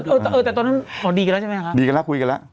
ไม่แล้วคุยกันก็ดีกันแล้วนะดีกันได้ดีกันแล้วคุยกันแล้ว